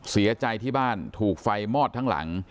เสียใจที่บ้านถูกไฟมอดทั้งหลัง